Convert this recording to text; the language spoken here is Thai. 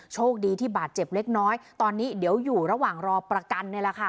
โชคดีที่บาดเจ็บเล็กน้อยตอนนี้เดี๋ยวอยู่ระหว่างรอประกันนี่แหละค่ะ